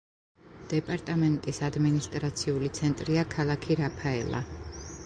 დეპარტამენტის ადმინისტრაციული ცენტრია ქალაქი რაფაელა.